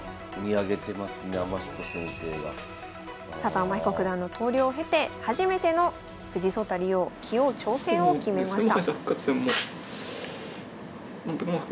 天彦九段の投了を経て初めての藤井聡太竜王棋王挑戦を決めました。